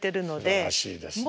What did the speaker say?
すばらしいですね。